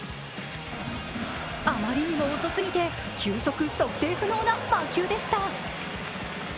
あまりにも遅すぎて、球速測定不能な魔球でした。